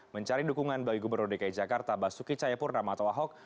mencari dukungan bagi gubernur dki jakarta basuki cayapurnama atau ahok